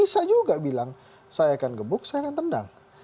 bisa juga bilang saya akan gebuk saya akan tendang